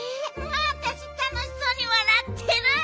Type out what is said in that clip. わたしたのしそうにわらってる！